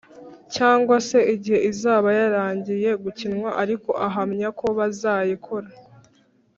cyangwa se igihe izaba yarangiye gukinwa ariko ahamya ko bazayikora.